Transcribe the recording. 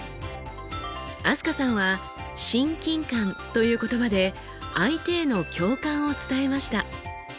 飛鳥さんは「親近感」という言葉で相手への共感を伝えました。